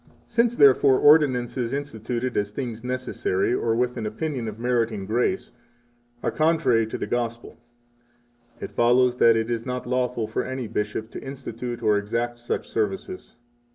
50 Since, therefore, ordinances instituted as things necessary, or with an opinion of meriting grace, are contrary to the Gospel, it follows that it is not lawful for any bishop 51 to institute or exact such services.